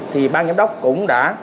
thì ban giám đốc cũng đã